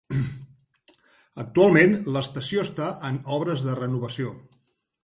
Actualment l'estació està en obres de renovació.